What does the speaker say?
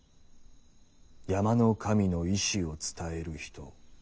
「山の神の意思を伝へる人」。